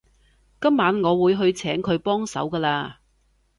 今晚我會去請佢幫手㗎喇